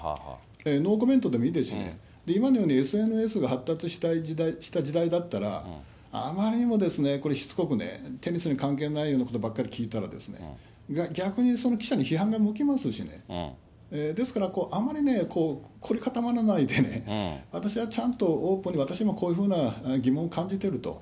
ノーコメントでもいいですしね、今のようにＳＮＳが発達した時代だったら、あまりにもこれ、しつこくね、テニスに関係ないようなことばっかり聞いたらですね、逆に、その記者に批判が向きますしね、ですから、あまりね、凝り固まらないでね、私はちゃんとオープンに、私は今、疑問を感じてると。